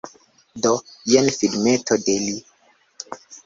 Do, jen filmeto de li!